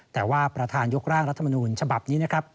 แต่ว่าประธานยกร่างรัฐมนูญฉบับนี้นะครับ